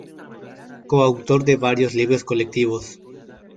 Coautor de varios libros colectivos.